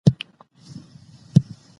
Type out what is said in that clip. نوی نسل بايد له احساساتو هاخوا فکر وکړي.